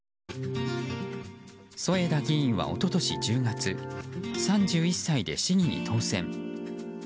添田議員は一昨年１０月３１歳で市議に当選。